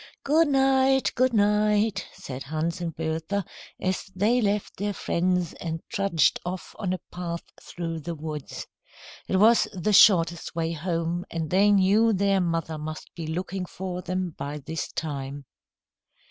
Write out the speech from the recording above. "Good night, good night," said Hans and Bertha, as they left their friends and trudged off on a path through the woods. It was the shortest way home, and they knew their mother must be looking for them by this time.